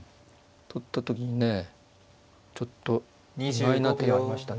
取った時にねちょっと意外な手がありましたね。